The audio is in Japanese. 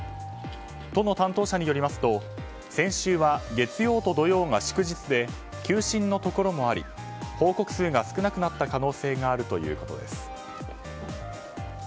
都の担当者によりますと先週は月曜と土曜が祝日で休診のところもあり報告数が少なかった可能性があるということです。